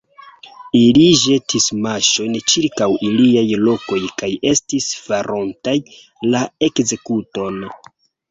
Ili ĵetis maŝojn ĉirkaŭ iliaj koloj kaj estis farontaj la ekzekuton.